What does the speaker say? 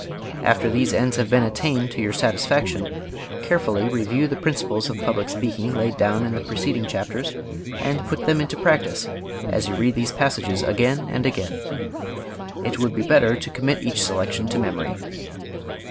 After these ends have been attained to your satisfaction, carefully review the principles of public speaking laid down in the preceding chapters and put them into practise as you read these passages again and again. _It would be better to commit each selection to memory.